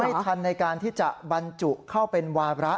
ไม่ทันในการที่จะบรรจุเข้าเป็นวาระ